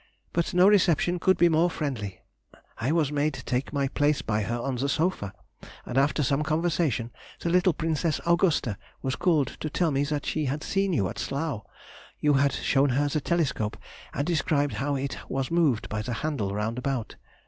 But no reception could be more friendly. I was made take my place by her on the sofa, and after some conversation, the little Princess Augusta was called to tell me that she had seen you at Slough; you had shown her the telescope and described how it was moved by the handle round about.